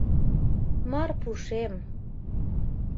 — Марпушем...